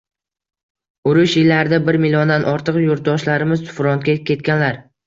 Urush yillarida bir milliondan ortiq yurtdoshlarimiz frontga ketganlar.